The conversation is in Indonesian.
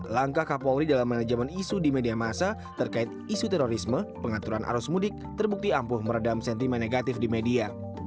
langkah kapolri dalam manajemen isu di media masa terkait isu terorisme pengaturan arus mudik terbukti ampuh meredam sentimen negatif di media